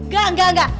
gak gak gak